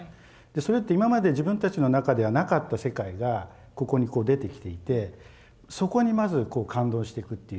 それって今まで自分たちの中ではなかった世界がここにこう出てきていてそこにまず感動してくっていう。